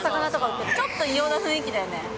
ちょっと異様な雰囲気だよね。